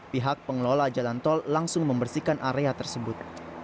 pihak pengelola jalan tol langsung membersihkan area tersebut